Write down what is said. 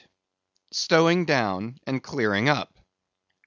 Stowing Down and Clearing Up.